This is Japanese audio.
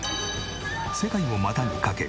世界を股に掛け